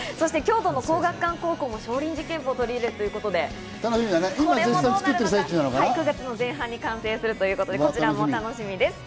京都の廣学館高校も少林寺拳法を取り入れるということで、９月の前半に完成するということでこちらも楽しみです。